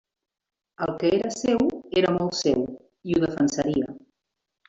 El que era seu era molt seu, i ho defensaria.